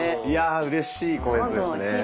いやうれしいコメントですね。